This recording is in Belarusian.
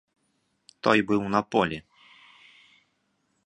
Той быў на полі.